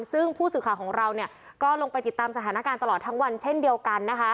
ซึ่งผู้สื่อข่าวของเราก็ลงไปติดตามสถานการณ์ตลอดทั้งวันเช่นเดียวกันนะคะ